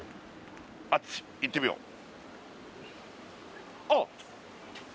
あっち行ってみようあっ